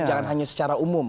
jangan hanya secara umum